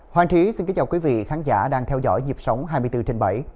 hoàng trí xin kính chào quý vị khán giả đang theo dõi nhịp sống hai mươi bốn trên bảy